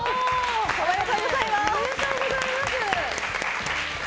おめでとうございます。